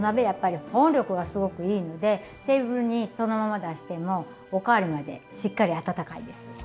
やっぱり保温力がすごくいいのでテーブルにそのまま出してもおかわりまでしっかり温かいです。